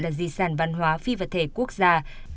là di sản văn hóa phi vật thể quốc gia